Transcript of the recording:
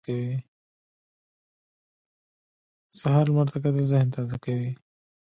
د سهار لمر ته کتل ذهن تازه کوي.